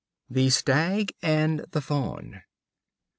The Stag and the Fawn.